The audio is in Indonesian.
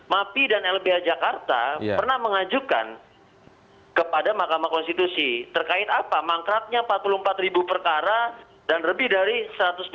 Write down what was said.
mapi dan lbh jakarta pernah mengajukan kepada mahkamah konstitusi terkait apa mangkraknya empat puluh empat ribu perkara dan lebih dari satu ratus dua puluh